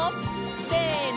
せの！